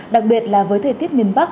đặc biệt là với thời tiết miền bắc